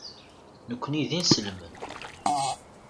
Nekkni d inselmen.